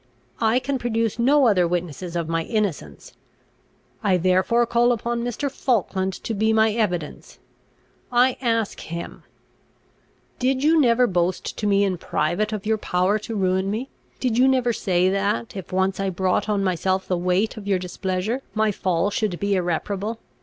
I can produce no other witnesses of my innocence; I therefore call upon Mr. Falkland to be my evidence. I ask him "Did you never boast to me in private of your power to ruin me? Did you never say that, if once I brought on myself the weight of your displeasure, my fall should be irreparable?